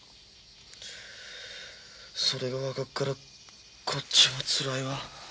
それが分かっからこっちもつらいわ。